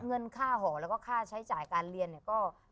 เงินค่าห่อแล้วก็ค่าใช้จ่ายการเรียนเนี่ยก็